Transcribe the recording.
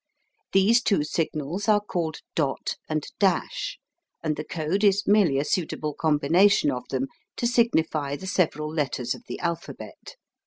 These two signals are called "dot" and "dash," and the code is merely a suitable combination of them to signify the several letters of the alphabet.